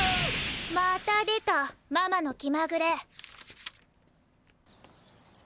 また出たママの気まぐれ。